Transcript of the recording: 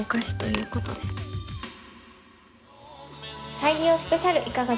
再利用スペシャルいかがでしたか？